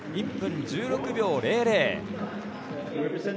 １分１６秒００。